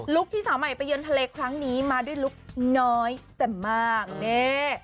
ที่สาวใหม่ไปเยือนทะเลครั้งนี้มาด้วยลุคน้อยแต่มากนี่